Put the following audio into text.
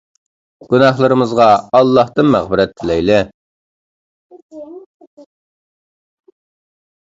گۇناھلىرىمىزغا ئاللاھتىن مەغپىرەت تىلەيلى!